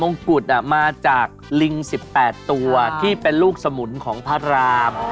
กุฎมาจากลิง๑๘ตัวที่เป็นลูกสมุนของพระราม